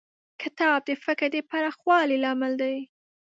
کتاب د فکر د پراخوالي لامل دی.